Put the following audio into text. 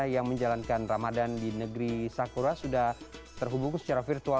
yang menjalankan ramadan di negeri sakura sudah terhubung secara virtual